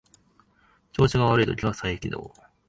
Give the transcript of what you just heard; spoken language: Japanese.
調子が悪い時は再起動